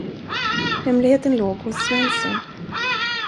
Hemligheten låg hos Svensson.